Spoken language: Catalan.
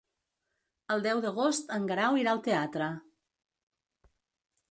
El deu d'agost en Guerau irà al teatre.